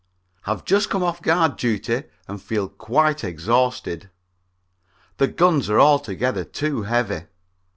_ Have just come off guard duty and feel quite exhausted. The guns are altogether too heavy.